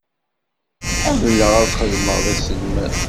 Ḥemmleɣ ad xedmeɣ d aselmad.